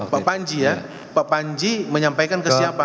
pak panji ya pak panji menyampaikan ke siapa